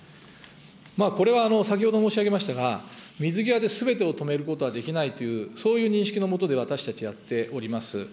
これは先ほど申し上げましたが、水際ですべてを止めることはできないという、そういう認識のもとで私たち、やっております。